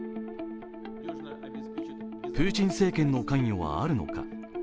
プーチン政権の関与はあるのか。